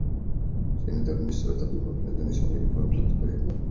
সেই নিদারুণ নিষ্ঠুরতার আবির্ভাব বিনোদিনী সভয়ে উপলব্ধি করিয়া ঘরে দ্বার দিল।